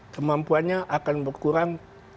kemampuannya akan berkurang